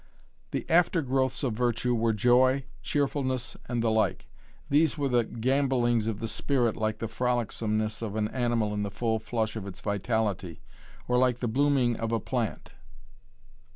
The after growths of virtue were joy, cheerfulness, and the like. These were the gambolings of the spirit like the frolicsomeness of an animal in the full flush of its vitality or like the blooming of a plant.